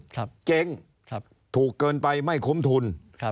เจ๊งถูกเกินไปไม่คุ้มทุน